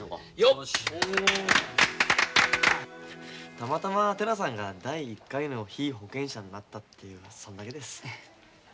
たまたま寺さんが第１回の被保険者になったっていうそんだけです。